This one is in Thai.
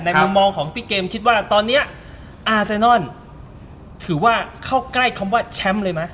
มุมมองของพี่เกมคิดว่าตอนนี้อาเซนอนถือว่าเข้าใกล้คำว่าแชมป์เลยไหม